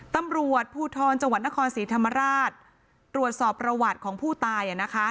ตำรวจภูทรจังหวัดนครศรีธรรมราชตรวจสอบประวัติของผู้ตายอ่ะนะคะ